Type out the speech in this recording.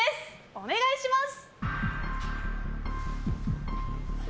お願いします！